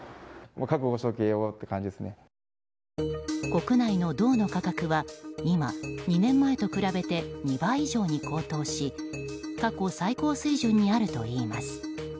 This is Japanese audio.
国内の銅の価格は今、２年前と比べて２倍以上に高騰し過去最高水準にあるといいます。